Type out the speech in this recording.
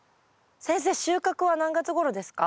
先生収穫は何月ごろですか？